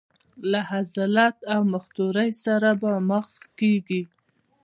له ذلت او مختورۍ سره به مخ کېږي.